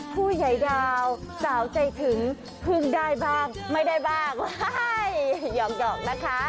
ผู้ใหญ่ดาวสาวใจถึงเพิ่งได้บ้างไม่ได้บ้างหยอกนะคะ